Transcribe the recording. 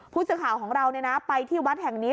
ผู้สื่อข่าวของเราไปที่วัดแห่งนี้